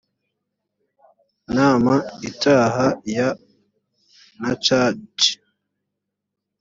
nama itaha ya nacaci